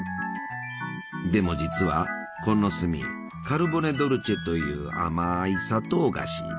でも実はこの炭カルボネ・ドルチェという甘い砂糖菓子。